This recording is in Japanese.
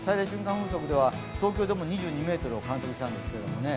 風速では東京でも２２メートルを観測したんですよね。